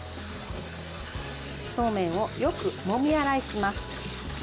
そうめんを、よくもみ洗いします。